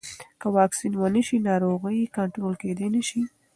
که واکسین ونه شي، ناروغي کنټرول کېدای نه شي.